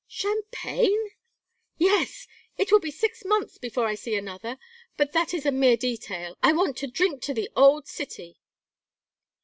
"Champagne?" "Yes. It may be six months before I see another but that is a mere detail. I want to drink to the old city."